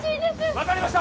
分かりました！